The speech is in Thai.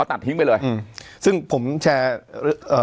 ไปเลยซึ่งผมแชร์